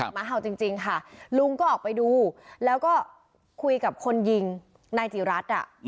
หมาเห่าจริงค่ะลุงก็ออกไปดูแล้วก็คุยกับคนยิงนายจีรัฐอ่ะ